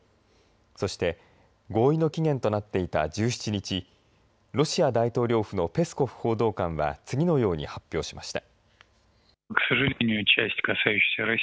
そして、合意の期限となっていた１７日ロシア大統領府のペスコフ報道官は次のように発表しました。